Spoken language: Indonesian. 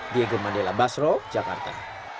diego mandela basro jakarta